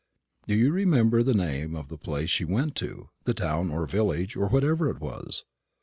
"Do you remember the name of the place she went to the town or village, or whatever it was?"